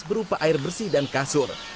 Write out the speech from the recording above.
berupa air bersih dan kasur